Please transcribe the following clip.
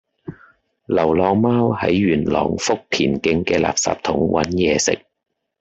流浪貓喺元朗福田徑嘅垃圾桶搵野食